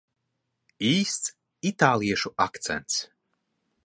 Īsts itāliešu akcents.